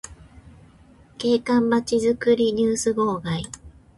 景観まちづくりニュース号外